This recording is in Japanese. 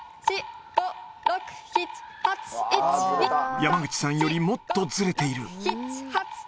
山口さんよりもっとずれている。